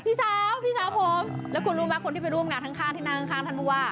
พี่สาวพี่สาวผมแล้วคุณรู้ไหมคนที่ไปร่วมงานข้างที่นั่งข้างท่านผู้ว่า